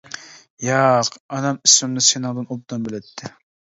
-ياق، ئانام ئىسمىمنى سېنىڭدىن ئوبدان بىلەتتى.